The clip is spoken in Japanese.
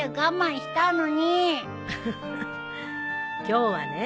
今日はね